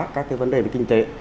các cái vấn đề về kinh tế